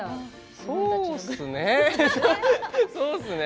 そうっすね。